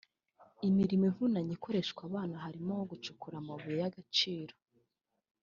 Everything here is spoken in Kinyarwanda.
Imirimo ivunanye ikoreshwa abana harimo gucukura amabuye y’agaciro